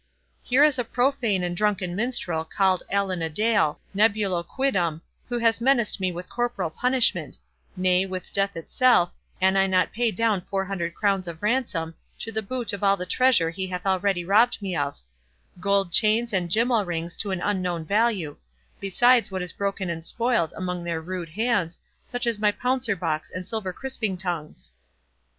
Here is a profane and drunken minstrel, called Allan a Dale—'nebulo quidam'—who has menaced me with corporal punishment—nay, with death itself, an I pay not down four hundred crowns of ransom, to the boot of all the treasure he hath already robbed me of—gold chains and gymmal rings to an unknown value; besides what is broken and spoiled among their rude hands, such as my pouncer box and silver crisping tongs."